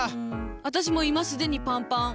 私も今既にパンパン。